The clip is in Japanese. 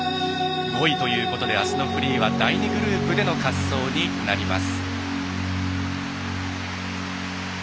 ５位ということであすのフリーは第２グループでの滑走になります。